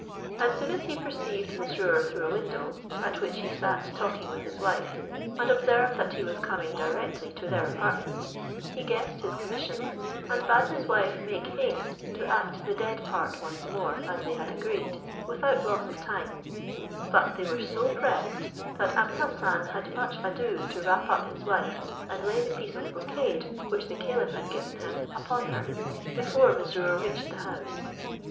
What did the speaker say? As soon as he perceived Mesrour through a window, at which he sat talking with his wife, and observed that he was coming directly to their apartment, he guessed his commission, and bade his wife make haste to act the dead part once more, as they had agreed, without loss of time; but they were so pressed, that Abou Hassan had much ado to wrap up his wife, and lay the piece of brocade which the caliph had given him upon her, before Mesrour reached the house.